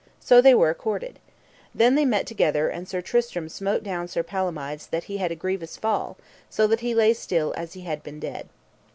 So they were accorded. Then they met together, and Sir Tristram smote down Sir Palomides that he had a grievous fall, so that he lay still as he had been dead.